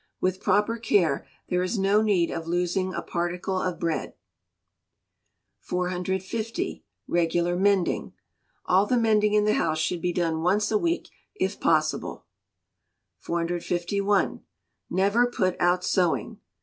With proper care, there is no need of losing a particle of bread. 450. Regular Mending. All the Mending in the house should be done once a week if possible. 451. Never put out Sewing.